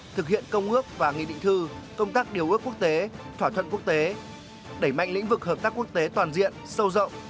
thực hiện công ước và nghị định thư công tác điều ước quốc tế thỏa thuận quốc tế đẩy mạnh lĩnh vực hợp tác quốc tế toàn diện sâu rộng